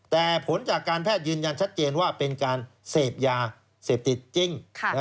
แต่ผลจากการแพทย์ยืนยันชัดเจนว่าเป็นการเสพยาเสพติดจริง